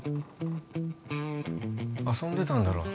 遊んでたんだろ